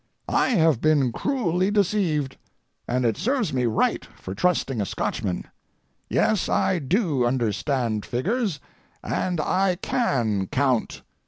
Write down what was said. I have been cruelly deceived, and it serves me right for trusting a Scotchman. Yes, I do understand figures, and I can count.